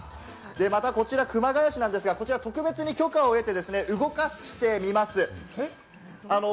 またこちら熊谷市ですが、特別に許可を得て、動かしてみます。